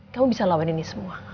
kamu bisa lawan ini semua